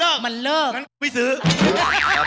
ที่จะเป็นความสุขของชาวบ้าน